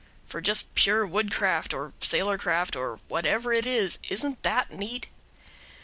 For just pure woodcraft, or sailorcraft, or whatever it is, isn't that neat?